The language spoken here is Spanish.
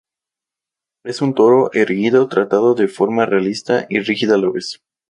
Es un toro erguido tratado de forma realista y rígida a la vez.